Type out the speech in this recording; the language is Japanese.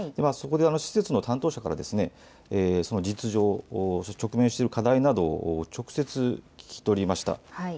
そこで、施設の担当者からその実情を直面している課題などを直接聞き取りました。